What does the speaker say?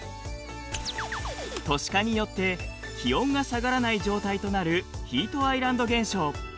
都市化によって気温が下がらない状態となるヒートアイランド現象。